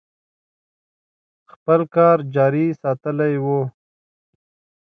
خپل کار جاري ساتلی و.